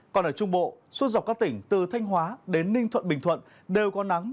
còn ở trung bộ suốt dọc các tỉnh từ thanh hóa đến ninh thuận bình thuận đều có nắng